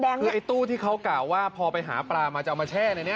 คือไอ้ตู้ที่เขากล่าวว่าพอไปหาปลามาจะเอามาแช่ในนี้